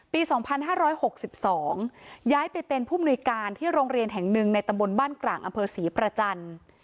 ปี๒๕๖๒ย้ายไปเป็นผู้มนุยการที่โรงเรียนแห่งหนึ่งในตำบลบ้านกลางอำเภอศรีประจันทร์